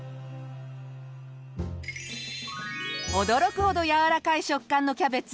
驚くほどやわらかい食感のキャベツ４１９。